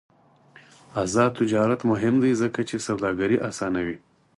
آزاد تجارت مهم دی ځکه چې سوداګري اسانوي.